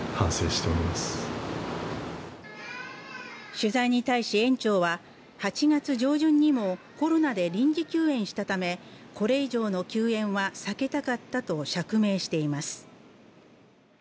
取材に対し園長は８月上旬にもコロナで臨時休園したためこれ以上の休園は避けたかったと釈明しています。